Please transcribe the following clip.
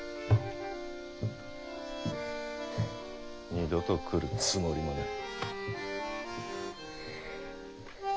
二度と来るつもりもない。